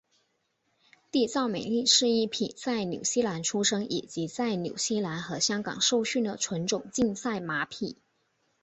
缔造美丽是一匹在纽西兰出生以及在纽西兰和香港受训的纯种竞赛马匹。